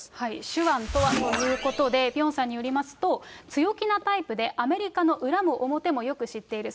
手腕とはということで、ピョンさんによりますと、強気なタイプで、アメリカの裏も表もよく知っている。